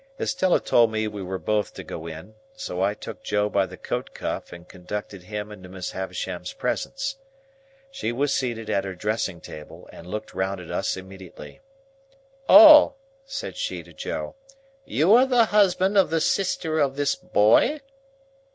Estella told me we were both to go in, so I took Joe by the coat cuff and conducted him into Miss Havisham's presence. She was seated at her dressing table, and looked round at us immediately. "Oh!" said she to Joe. "You are the husband of the sister of this boy?"